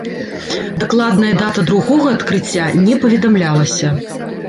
Дакладная дата другога адкрыцця не паведамлялася.